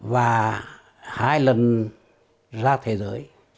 và hai lần ra thế giới